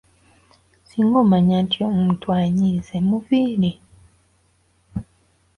Singa omanya nti omuntu anyiize, muviire.